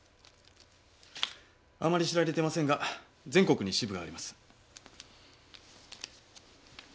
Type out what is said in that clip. あまり知られていませんが全国に支部があります。